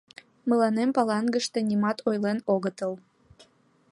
— Мыланем Палангыште нимат ойлен огытыл!..